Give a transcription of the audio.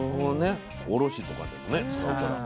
おろしとかでもね使うから。